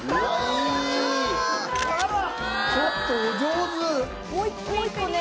ちょっとお上手！